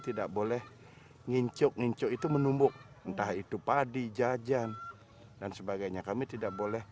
tidak boleh ngincuk ngincuk itu menumbuk entah itu padi jajan dan sebagainya kami tidak boleh